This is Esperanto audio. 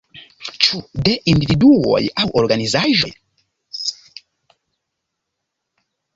Ĉu de individuoj aŭ organizaĵoj?